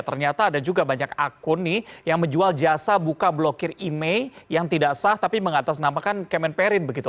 ternyata ada juga banyak akun nih yang menjual jasa buka blokir email yang tidak sah tapi mengatasnamakan kemenperin begitu